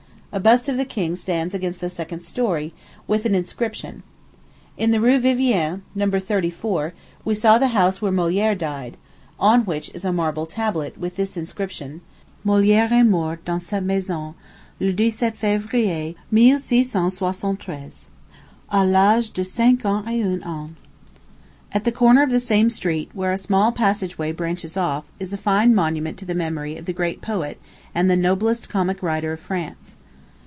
A bust of the king stands against the second story, with an inscription. In the Rue Vivienne, No. 34, we saw the house where Molière died, on which is a marble tablet, with this inscription: "Molière est mort dans cette maison, le 17 Février, 1673, à l'âge de 51 ans." At the corner of the same street, where a small passage way branches off, is a fine monument to the memory of the great poet and the noblest comic writer of France.